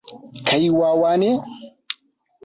Kai wawa ne.